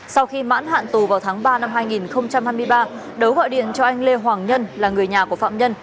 sau khi mãn hạn tù vào tháng ba năm hai nghìn hai mươi ba đấu gọi điện cho anh lê hoàng nhân là người nhà của phạm nhân